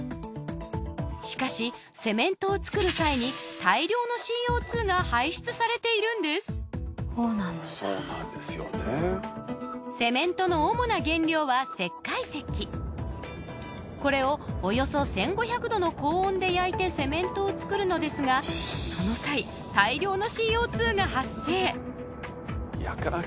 しかしセメントを作る際に大量のＣＯ２が排出されているんですこれをおよそ１、５００℃の高温で焼いてセメントを作るのですがその際大量のＣＯ２が発生！